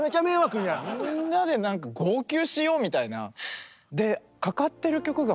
みんなでなんか号泣しようみたいな。